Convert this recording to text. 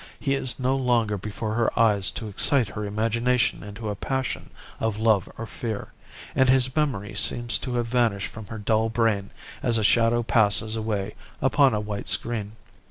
He is no longer before her eyes to excite her imagination into a passion of love or fear; and his memory seems to have vanished from her dull brain as a shadow passes away upon a white screen.